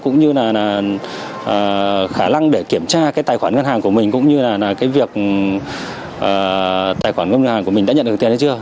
cũng như là khả năng để kiểm tra cái tài khoản ngân hàng của mình cũng như là cái việc tài khoản ngân hàng của mình đã nhận được tiền hay chưa